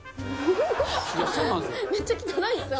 めっちゃ汚いですね